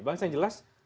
bang aziz yang jelas